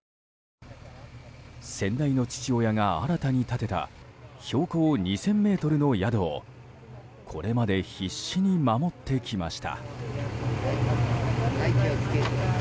先代の父親が、新たに建てた標高２０００ｍの宿をこれまで必死に守ってきました。